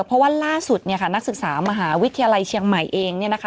เพราะว่าล่าสุดเนี่ยค่ะนักศึกษามหาวิทยาลัยเชียงใหม่เองเนี่ยนะคะ